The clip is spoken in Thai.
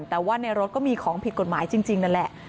แต่ว่าในรถก็มีของผิดกฎหมายจริงนั่นแหละ